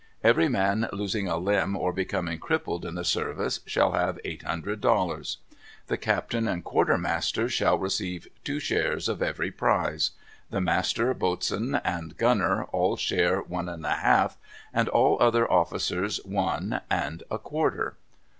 Every man losing a limb or becoming crippled in the service shall have eight hundred dollars. The captain and quartermaster shall receive two shares of every prize; the master, boatswain, and gunner, one share and a half, and all other officers one and a quarter.